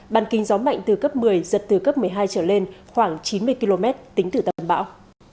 bàn kính gió mạnh từ cấp một mươi giật từ cấp một mươi hai trở lên khoảng chín mươi km tính từ tâm bão